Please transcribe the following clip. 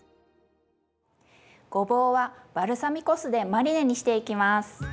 ごぼうはバルサミコ酢でマリネにしていきます。